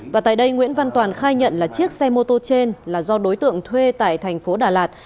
và tại đây nguyễn văn toàn khai nhận là chiếc xe mô tô trên là do đối tượng thuê tại thành phố đà lạt